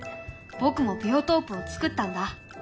僕もビオトープをつくったんだ。